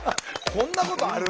こんなことある？